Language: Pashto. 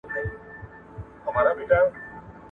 حی علی الصلوة ، حی علی الصلوة